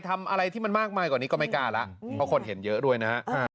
ทำอะไรที่มันมากมายกว่านี้ก็ไม่กล้าแล้วเพราะคนเห็นเยอะด้วยนะฮะ